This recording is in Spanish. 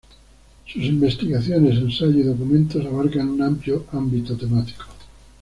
Sus investigaciones, ensayos y documentos abarcan un amplio ámbito temático.